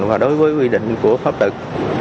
và đối với quy định của pháp luật